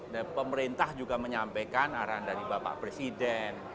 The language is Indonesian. dan pemerintah juga menyampaikan arahan dari bapak presiden